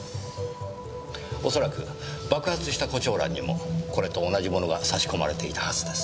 おそらく爆発した胡蝶蘭にもこれと同じものが挿し込まれていたはずです。